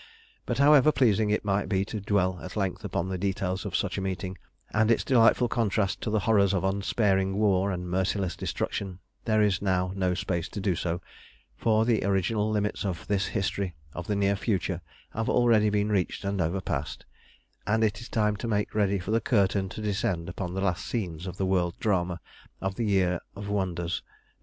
But however pleasing it might be to dwell at length upon the details of such a meeting, and its delightful contrast to the horrors of unsparing war and merciless destruction, there is now no space to do so, for the original limits of this history of the near future have already been reached and overpassed, and it is time to make ready for the curtain to descend upon the last scenes of the world drama of the Year of Wonders 1904.